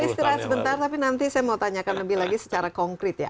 istirahat sebentar tapi nanti saya mau tanyakan lebih lagi secara konkret ya